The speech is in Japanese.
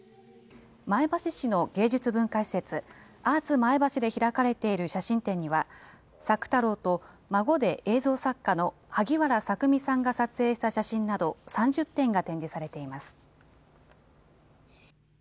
前橋市の芸術文化施設、アーツ前橋で開かれている写真展には、朔太郎と孫で映像作家の萩原朔美さんが撮影した写真など３０点が展示されています。